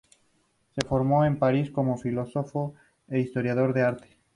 Se formó en París, como filósofo e historiador de arte.